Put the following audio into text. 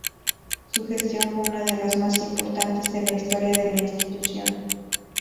Su gestión fue una de las más importantes de la historia de la Institución.